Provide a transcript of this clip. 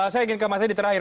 saya ingin ke mas edi terakhir